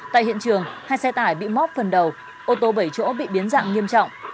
tại hiện trường hai xe tải bị móc phần đầu ô tô bảy chỗ bị biến dạng nghiêm trọng